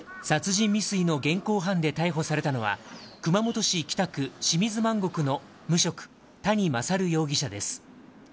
殺人未遂の現行犯で逮捕されたのは、熊本市北区清水万石の無職、谷勝容疑者です。